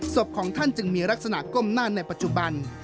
ของท่านจึงมีลักษณะก้มหน้าในปัจจุบัน